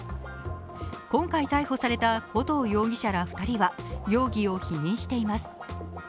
今回逮捕された古藤容疑者ら２人は容疑を否認しています。